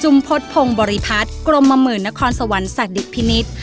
จุมพลพงศ์บริพัฒน์กรมหม่ามือนครสวรรค์สัตว์ดิกภินิษฑ์